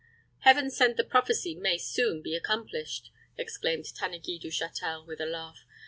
"Heaven send the prophesy may be soon accomplished!" exclaimed Tanneguy du Châtel, with a laugh.